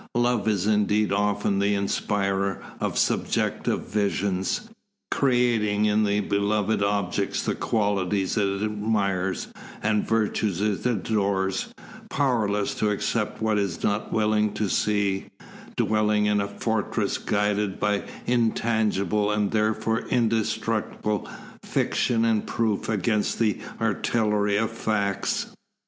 Love is indeed often the inspirer of subjective visions, creating in the beloved object the qualities it admires and the virtues it adores, powerless to accept what it is not willing to see, dwelling in a fortress guarded by intangible, and therefore indestructible, fiction and proof against the artillery of facts.